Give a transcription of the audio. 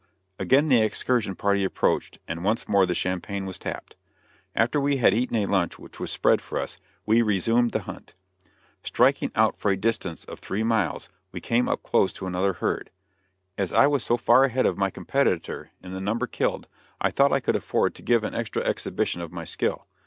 Again the excursion party approached, and once more the champagne was tapped. After we had eaten a lunch which was spread for us, we resumed the hunt. Striking out for a distance of three miles, we came up close to another herd. As I was so far ahead of my competitor in the number killed, I thought I could afford to give an extra exhibition of my skill.